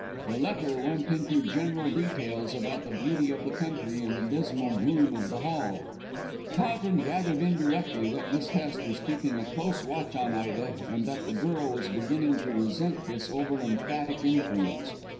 The letter went into general details about the beauty of the country and the dismal gloom of the Hall. Towton gathered indirectly that Miss Hest was keeping a close watch on Ida, and that the girl was beginning to resent this over emphatic influence.